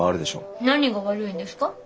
何が悪いんですか？